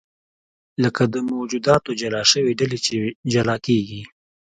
لکه د موجوداتو جلا شوې ډلې چې جلا کېږي.